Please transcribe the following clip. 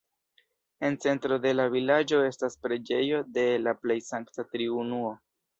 En centro de la vilaĝo estas preĝejo de la Plej Sankta Triunuo.